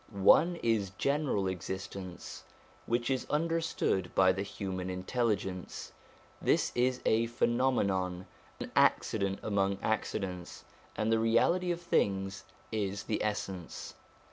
One is general existence, which is understood by the human intelligence ; this is a phenomenon, an accident among accidents, and the reality of the things is the essence.